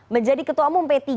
menjadi ketua umum p tiga